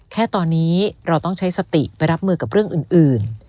แค่ตอนนี้เราต้องใช้สติไปรับมือกับเรื่องอื่น